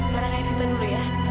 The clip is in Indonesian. barang eh vita dulu ya